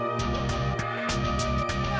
aku belum mau mati